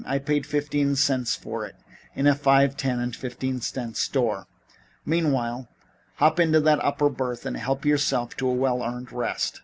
I paid fifteen cents for it in a five, ten and fifteen cent store. Meanwhile, hop into that upper berth and help yourself to a well earned rest."